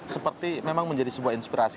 seperti memang menjadi sebuah inspirasi